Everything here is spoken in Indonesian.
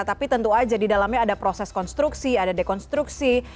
tapi tentu aja di dalamnya ada proses konstruksi ada dekonstruksi